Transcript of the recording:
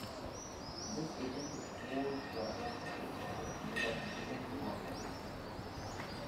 This isn't a post-Zionist approach, neither hesitant nor apologetic.